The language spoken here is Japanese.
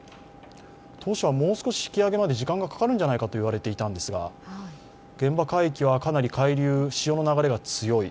当初はもう少し引き揚げまで時間がかかるのではないかといわれていたんですが現場海域はかなり潮の流れが強い。